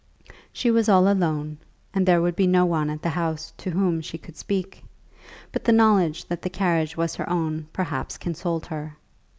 She was all alone, and there would be no one at the house to whom she could speak; but the knowledge that the carriage was her own perhaps consoled her.